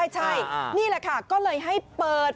ใช่นี่แหละค่ะก็เลยให้เปิด